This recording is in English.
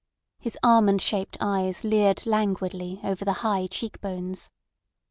His almond shaped eyes leered languidly over the high cheek bones.